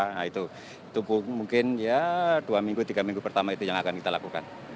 nah itu mungkin ya dua minggu tiga minggu pertama itu yang akan kita lakukan